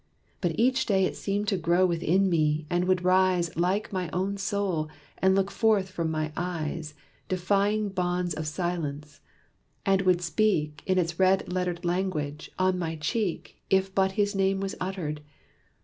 But each day It seemed to grow within me, and would rise, Like my own soul, and look forth from my eyes, Defying bonds of silence; and would speak, In its red lettered language, on my cheek, If but his name was uttered.